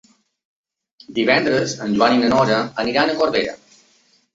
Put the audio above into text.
Divendres en Joan i na Nora aniran a Corbera.